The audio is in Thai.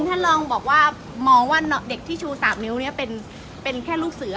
ท่านลองบอกว่ามองว่าเด็กที่ชู๓นิ้วนี้เป็นแค่ลูกเสือ